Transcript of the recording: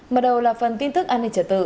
mở đầu là phần tin tức an ninh trật tự